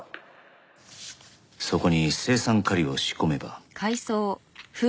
そこに青酸カリを仕込めば。